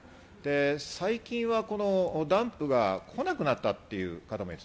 最近ダンプが来なくなったという方もいます。